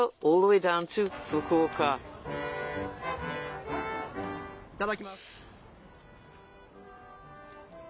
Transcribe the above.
いただきます。